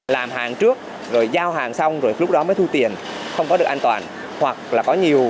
làm hàng trước rồi giao hàng xong rồi lúc đó mới thu tiền không có được an toàn hoặc là có nhiều